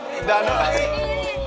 neng strik punya dong cantik